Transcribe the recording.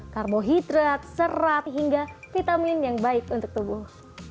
karbohidrat serat hingga vitamin yang baik untuk tubuh